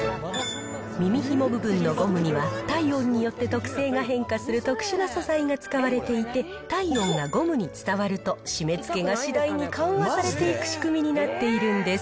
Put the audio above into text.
耳ひも部分のゴムには、体温によって特性が変化する特殊な素材が使われていて、体温がゴムに伝わると締めつけが次第に緩和されていく仕組みになっているんです。